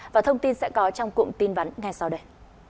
và thông tin sẽ có trong cụm tin vắn ngay sau đây